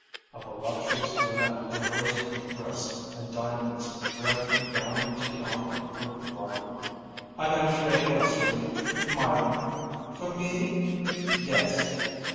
A voluptuous brunette in a rose pink dress and diamonds dragged her down to the arm of her rocker. "I got a trade last for you, Myra." "For me?" "Yes."